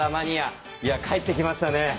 いや帰ってきましたね。